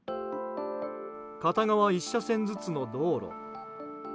片側１車線ずつの道路。